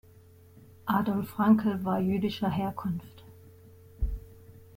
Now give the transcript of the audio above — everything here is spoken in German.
Adolf Frankl war jüdischer Herkunft.